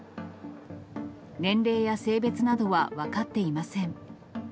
年齢や性別などは分かっていません。